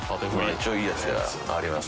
いいやつではあります。